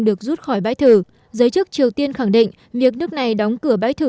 được rút khỏi bãi thử giới chức triều tiên khẳng định việc nước này đóng cửa bãi thử